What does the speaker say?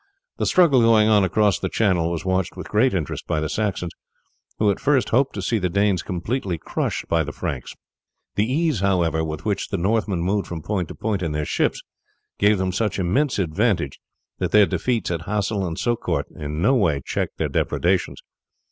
The struggle going on across the Channel was watched with great interest by the Saxons, who at first hoped to see the Danes completely crushed by the Franks. The ease, however, with which the Northmen moved from point to point in their ships gave them such immense advantage that their defeats at Hasle and Saucourt in no way checked their depredations.